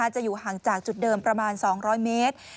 อยู่ห่างจากจุดเดิมประมาณ๒๐๐เมตร